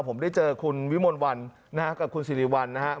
ผมได้เจอคุณวิมลวันนะฮะกับคุณสิริวัลนะครับ